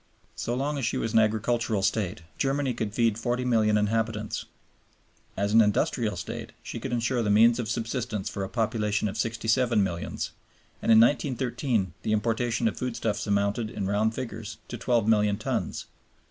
So long as she was an agricultural State, Germany could feed forty million inhabitants. As an industrial State she could insure the means of subsistence for a population of sixty seven millions; and in 1913 the importation of foodstuffs amounted, in round figures, to twelve million tons.